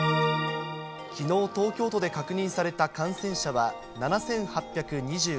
きのう、東京都で確認された感染者は７８２５人。